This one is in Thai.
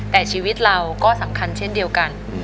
แต่ชีวิตเราก็สำคัญเช่นเดียวกัน